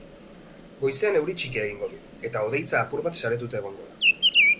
Goizean euri txikia egingo du, eta hodeitza apur bat saretuta egongo da.